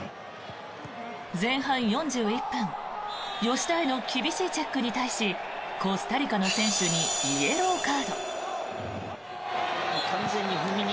前半４１分吉田への厳しいチェックに対しコスタリカの選手にイエローカード。